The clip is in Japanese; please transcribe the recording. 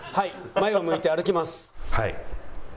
前を向いて歩きます」。